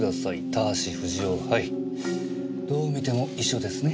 田橋不二夫拝」どう見ても遺書ですね。